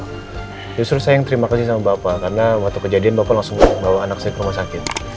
justru saya yang terima kasih sama bapak karena waktu kejadian bapak langsung bawa anak saya ke rumah sakit